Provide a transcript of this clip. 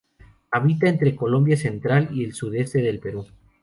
Habita entre Colombia central y el sudeste del Perú.